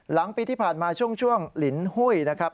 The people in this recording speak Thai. หลังปีที่ผ่านมาช่วงลินหุ้ยนะครับ